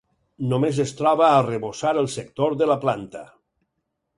Només es troba arrebossar el sector de la planta.